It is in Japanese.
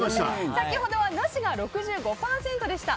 先ほどは、なしが６５％でした。